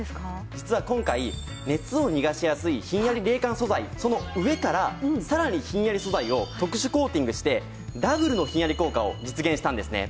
実は今回熱を逃がしやすいひんやり冷感素材その上からさらにひんやり素材を特殊コーティングしてダブルのひんやり効果を実現したんですね。